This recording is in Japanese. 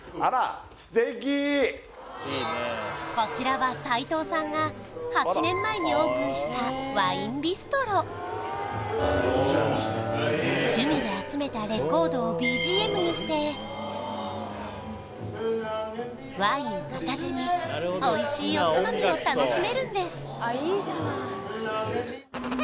こちらは齋藤さんが８年前にオープンした趣味で集めたレコードをＢＧＭにしてワイン片手においしいおつまみを楽しめるんです